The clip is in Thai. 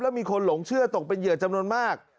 มีคนหลงเชื่อตกเป็นเหยื่อจำนวนมาก